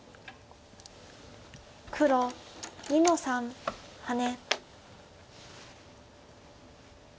黒２の三ハネ。